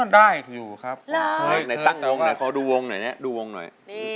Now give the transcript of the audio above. ไหนตั้งวงขอดูวงหน่อยดูวงหน่อย